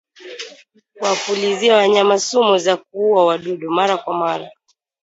Kuwapulizia wanyama sumu za kuuwa wadudu mara kwa mara